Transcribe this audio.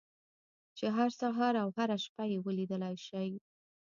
چې هر سهار او هره شپه يې وليدلای شئ.